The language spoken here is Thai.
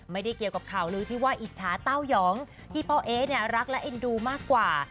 ไม่ได้เกี่ยวกับข่าวลือที่ว่าอิจฉาเต้ายองที่พ่อเอ๊เนี่ยรักและเอ็นดูมากกว่า